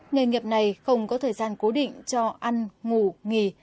nghề nghiệp này không có thời gian cố định cho ăn ngủ nghỉ